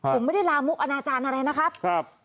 ผมไม่ได้ลามกอนาจารย์อะไรนะครับ